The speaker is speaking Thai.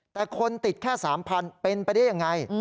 แต่คนติดแค่๓๐๐เป็นไปได้ยังไง